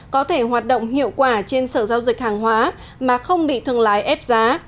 có thể hoạt động hiệu quả trên sở giao dịch hàng hóa mà không bị thương lái ép giá